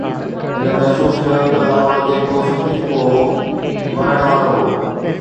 هن محسوس ڪيو ته لاوا، جيڪو سڪي چڪو هو، وهڻ وارو هو.